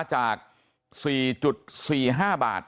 จาก๔๔๕บาท